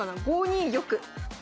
５二玉。